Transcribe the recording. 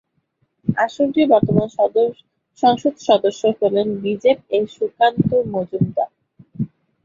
আসনটির বর্তমান সংসদ সদস্য হলেন বিজেপ-এর সুকান্ত মজুমদার।